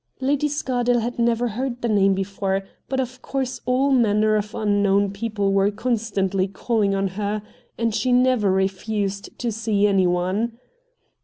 Lady Scardale had never heard the name before, but of course all manner of unknown people were constantly calling on her, and she never refused to see anyone.